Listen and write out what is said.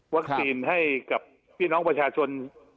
ให้กับพี่น้องประชาชน